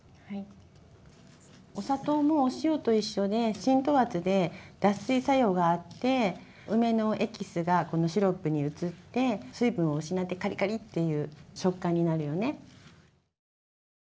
お砂糖もお塩と一緒で浸透圧で脱水作用があって梅のエキスがこのシロップに移って水分を失ってカリカリっていう食感になるよね。